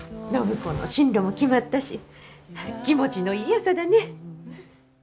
暢子の進路も決まったし気持ちのいい朝だね。